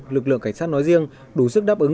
lực lượng cảnh sát nói riêng đủ sức đáp ứng